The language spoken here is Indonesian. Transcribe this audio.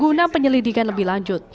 guna penyelidikan lebih lanjut